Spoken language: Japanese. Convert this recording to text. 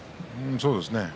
そうですね。